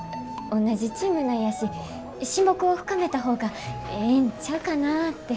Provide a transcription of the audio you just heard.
おんなじチームなんやし親睦を深めた方がええんちゃうかなって。